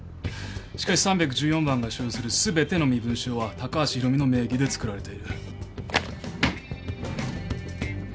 しかし３１４番が所有する全ての身分証は高橋博美の名義で作られている。